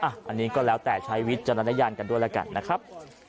อันนี้ก็แล้วแต่ใช้วิจารณญาณกันด้วยแล้วกันนะครับ